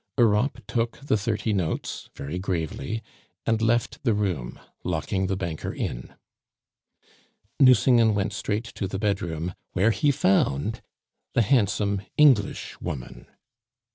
Europe took the thirty notes very gravely and left the room, locking the banker in. Nucingen went straight to the bedroom, where he found the handsome Englishwoman.